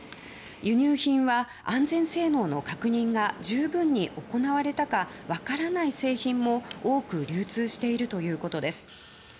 輸入品は安全性能の確認が十分に行われたかわからない製品も多く流通しているということです。